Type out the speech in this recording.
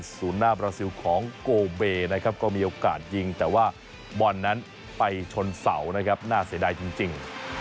ศูนย์หน้าบราซิลของโกเบนะครับก็มีโอกาสยิงแต่ว่าบอลนั้นไปชนเสานะครับน่าเสียดายจริง